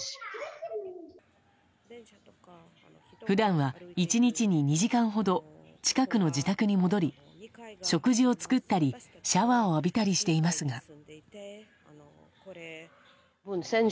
普段は１日に２時間ほど近くの自宅に戻り食事を作ったり、シャワーを浴びたりしていますが。